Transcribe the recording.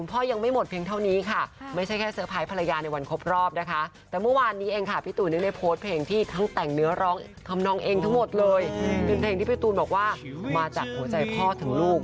ทั้งหมดเลยเป็นเพลงที่พี่ตูนบอกว่ามาจากหัวใจพ่อถึงลูก